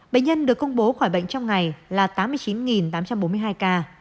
bệnh nhân được công bố khỏi bệnh trong ngày là tám mươi chín tám trăm bốn mươi hai ca